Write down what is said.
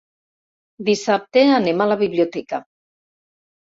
Dissabte anem a la biblioteca.